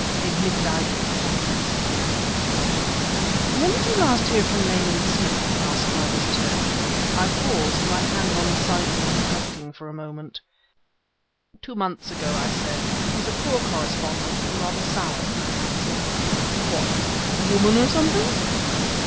A MIDNIGHT SUMMONS "When did you last hear from Nayland Smith?" asked my visitor. I paused, my hand on the syphon, reflecting for a moment. "Two months ago," I said; "he's a poor correspondent and rather soured, I fancy." "What a woman or something?"